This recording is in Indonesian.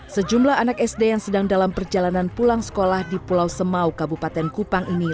sejumlah anak sd yang sedang dalam perjalanan pulang sekolah di pulau semau kabupaten kupang ini